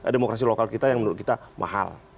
demokrasi lokal kita yang menurut kita mahal